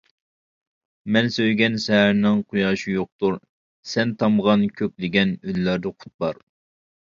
مەن سۆيگەن سەھەرنىڭ قۇياشى يوقتۇر، سەن تامغان كۆكلىگەن ئۈنلەردە قۇت بار.